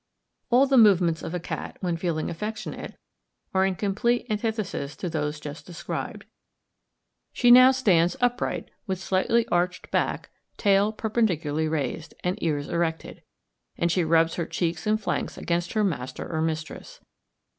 All the movements of a cat, when feeling affectionate, are in complete antithesis to those just described. She now stands upright, with slightly arched back, tail perpendicularly raised, and ears erected; and she rubs her cheeks and flanks against her master or mistress.